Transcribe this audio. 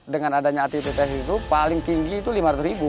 dengan adanya aktivitas itu paling tinggi itu lima ratus ribu